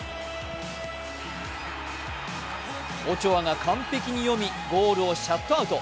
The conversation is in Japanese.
オチョアが完璧に読み、ゴールをシャットアウト。